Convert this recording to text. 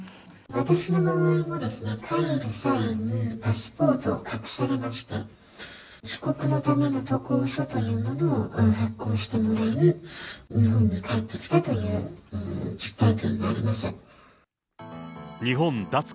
私の場合はですね、帰る際に、パスポートを隠されまして、帰国のための渡航書というものを発行してもらい、日本に帰ってきたという実体験があります。